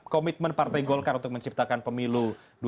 komitmen partai golkar untuk menciptakan pemilu